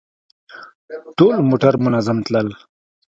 ټول موټر منظم تلل.